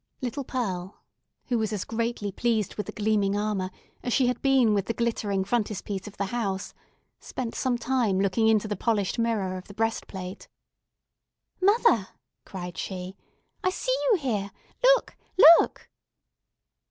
Little Pearl, who was as greatly pleased with the gleaming armour as she had been with the glittering frontispiece of the house, spent some time looking into the polished mirror of the breastplate. "Mother," cried she, "I see you here. Look! Look!"